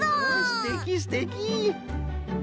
すてきすてき！